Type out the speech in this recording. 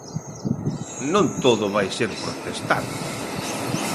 Non todo vai ser protestar.